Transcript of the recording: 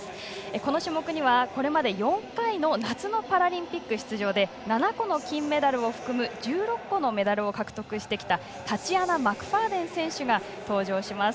この種目には、これまで４回の夏のパラリンピック出場で７個の金メダルを含む１６個のメダルを獲得してきたタチアナ・マクファーデン選手が登場します。